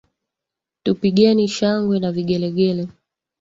Tupigeni shangwe na vigelegele.